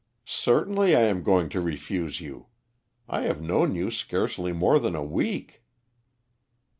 "Certainly I am going to refuse you. I have known you scarcely more than a week!"